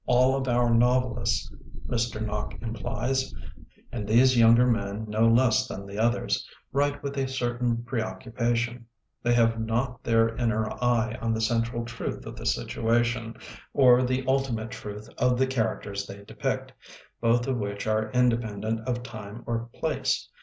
All of our novel ists, Mr. Nock implies — ^and these younger men no less than the others — write with a certain preoccupation; they have not their inner eye on the central truth of the situation or the ultimate truth of the characters they depict, both of which are independent of time or place.